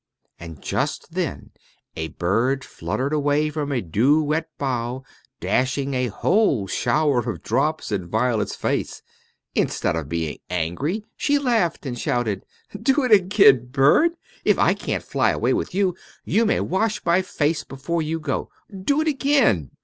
and just then a bird fluttered away from a dew wet bough, dashing a whole shower of drops in Violet's face. Instead of being angry, she laughed, and shouted, "Do it again, bird. If I can't fly away with you, you may wash my face before you go. Do it again."